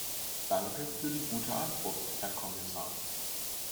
Danke für die gute Antwort, Herr Kommissar!